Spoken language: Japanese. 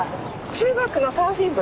中学のサーフィン部？